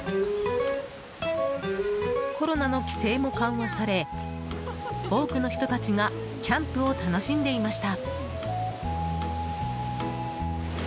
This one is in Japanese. コロナの規制も緩和され多くの人たちがキャンプを楽しんでいました。